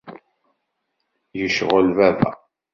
Yecɣel baba.